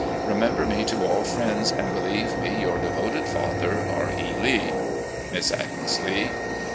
Re member me to all friends, and believe me, "Your devoted father, R. E. Lee. "Miss Agnes Lee."